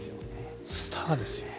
スターですね。